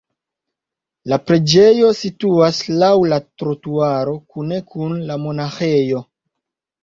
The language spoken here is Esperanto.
La preĝejo situas laŭ la trotuaro kune kun la monaĥejo.